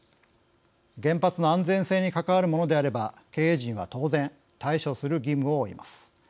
原発の安全性に関わるものであれば経営陣は当然対処する義務を負います。